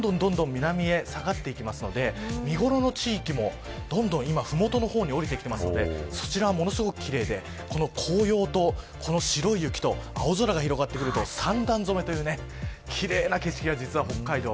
どんどんどんどん南へ下がっていきますので見頃の地域も、どんどん麓の方に降りてきてますのでそちらはものすごく奇麗で紅葉と白い雪と青空が広がってくると三段染めという奇麗な景色が実は北海道